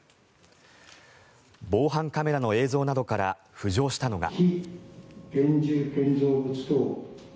防犯カメラの映像などから浮上したのが。